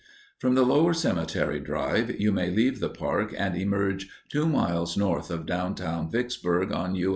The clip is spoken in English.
From the lower cemetery drive, you may leave the park and emerge 2 miles north of downtown Vicksburg on U.